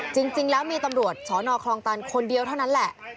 จริงแล้วมีตำรวจสนคลองตันคนเดียวเท่านั้นแหละ